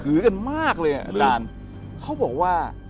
เขาถือกันมากเลยเอาด้านขอบบอกว่า